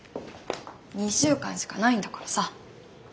２週間しかないんだからさ。